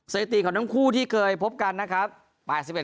สถิติของทั้งคู่ที่เคยพบกันนะครับ